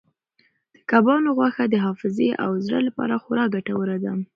د کبانو غوښه د حافظې او زړه لپاره خورا ګټوره ده.